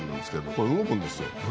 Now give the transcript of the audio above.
これ動くんですよ。